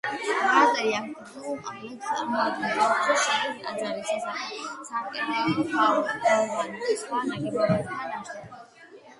მონასტერი არქიტექტურულ კომპლექს წარმოადგენს, რომელშიც შედის ტაძარი სასახლე, სამრეკვლო გალავანი და სხვა ნაგებობათა ნაშთები.